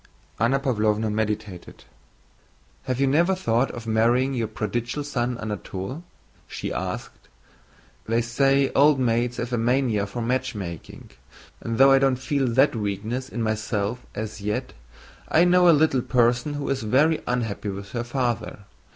Anna Pávlovna meditated. "Have you never thought of marrying your prodigal son Anatole?" she asked. "They say old maids have a mania for matchmaking, and though I don't feel that weakness in myself as yet, I know a little person who is very unhappy with her father.